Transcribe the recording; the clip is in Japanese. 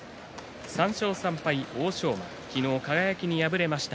３勝３敗の欧勝馬昨日、輝に敗れました。